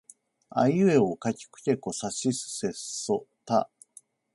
あいうえおかきくけこさしすせそた